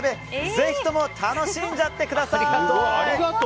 ぜひとも楽しんじゃってください！